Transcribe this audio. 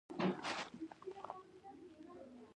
په افغانستان کې اوبزین معدنونه ډېر اهمیت لري.